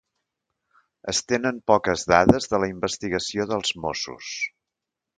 Es tenen poques dades de la investigació dels Mossos